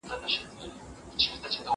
زه اوږده وخت د تکړښت لپاره ځم!